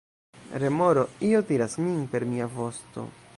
Remoro: "Io tiras min per mia vosto."